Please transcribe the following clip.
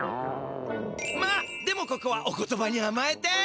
まあでもここはお言葉にあまえて！